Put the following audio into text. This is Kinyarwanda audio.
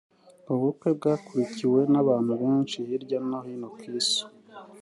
ubukwe bwakurikiwe n’abantu benshi hirya no hino ku isi